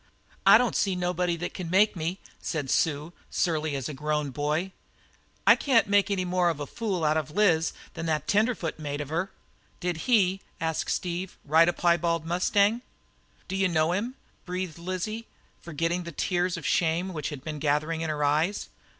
"I don't see nobody that can make me," she said, surly as a grown boy. "I can't make any more of a fool out of Liz than that tenderfoot made her!" "Did he," asked Steve, "ride a piebald mustang?" "D'you know him?" breathed Lizzie, forgetting the tears of shame which had been gathering in her eyes.